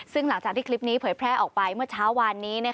ซึ่งหลังจากที่คลิปนี้เผยแพร่ออกไปเมื่อเช้าวานนี้